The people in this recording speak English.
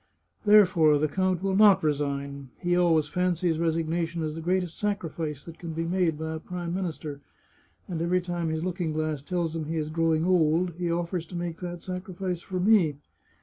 Therefore the count will not resign. He always fancies resignation is the greatest sacrifice that can be made by a Prime Minister, and every time his looking glass tells him he is growing old, he offers to make that sacrifice for me.